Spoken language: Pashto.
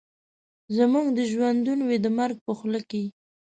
زموږ دي ژوندون وي د مرګ په خوله کي